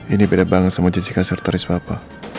ini beda banget sama jesse kasar teris bapa